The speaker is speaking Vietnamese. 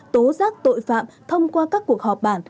tố giác tội phạm thông qua các cuộc họp bản